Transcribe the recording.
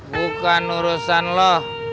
bukan urusan lo